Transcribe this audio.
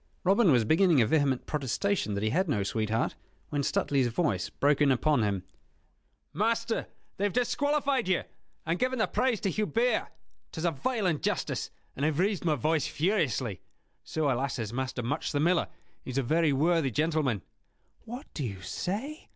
Robin was beginning a vehement protestation that he had no sweetheart, when Stuteley's voice broke in upon him. "Master, they have disqualified you, and given the prize to Hubert. 'Tis a vile injustice, and I have raised my voice furiously. So, alas! has Master Much the Miller; he is a very worthy gentleman." "What do you say?"